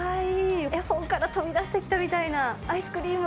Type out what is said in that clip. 絵本から飛び出してきたみたいなアイスクリーム。